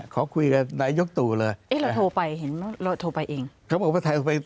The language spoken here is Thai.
ขอคุยกับนายกตัวเลยท้ายละโทรไปเห็นมั้วเราโทรไปเอง